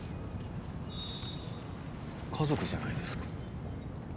家族じゃないですか。